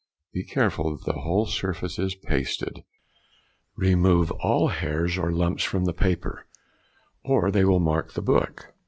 Be careful that the whole surface is pasted; remove all hairs or lumps from the paper, or they will mark the book.